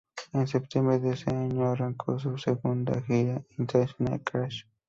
En septiembre de ese año arrancó su segunda gira internacional "Crash!